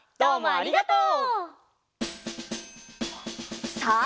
ありがとう。